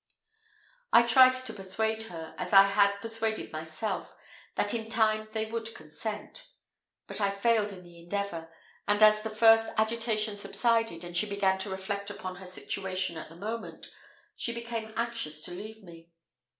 I tried to persuade her, as I had persuaded myself, that in time they would consent; but I failed in the endeavour, and as the first agitation subsided, and she began to reflect upon her situation at the moment, she became anxious to leave me.